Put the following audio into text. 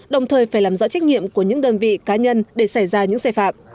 đồng thời phải làm rõ trách nhiệm của những đơn vị cá nhân để xảy ra những xe phạm